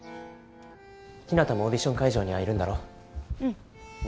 ひなたもオーディション会場にはいるんだろ？